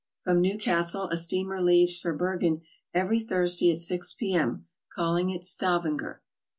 From Newcastle a steamer leaves for Ber gen every Thursday at 6 p. m., calling at Stavanger.